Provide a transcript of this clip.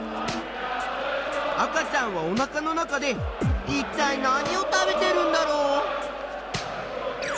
赤ちゃんはおなかの中でいったい何を食べてるんだろう？